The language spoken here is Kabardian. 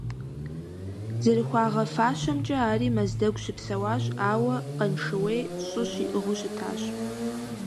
ЗэрыхуагъэфащэмкӀэ, ари Мэздэгу щыпсэуащ, ауэ Къаншыуей щӀы щиӀыгъыу щытащ.